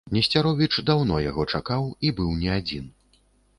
Несцяровіч даўно яго чакаў і быў не адзін.